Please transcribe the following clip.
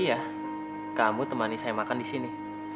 iya kamu temani saya makan di sini